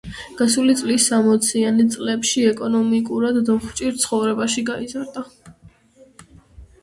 გასული წლის სამოციანი წლებში, ეკონომიკურად დუხჭირ ცხოვრებაში გაიზარდა.